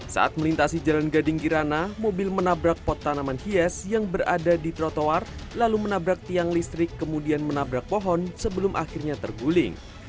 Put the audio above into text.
saat melintasi jalan gading kirana mobil menabrak pot tanaman hias yang berada di trotoar lalu menabrak tiang listrik kemudian menabrak pohon sebelum akhirnya terguling